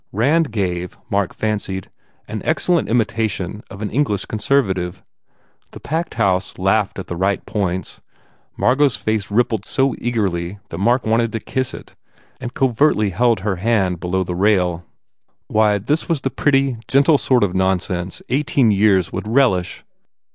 Rand gave, Mark fancied, an excellent imitation of an English conservative. The packed house laughed at the right points. Margot s face rip pled so eagerly that Mark wanted to kiss it and covertly held her hand below the rail. Why, this was the pretty, gentle sort of nonsense eighteen years would relish